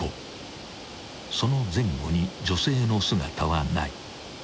［その前後に女性の姿はない］